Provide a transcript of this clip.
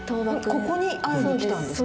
ここに会いに来たんですか？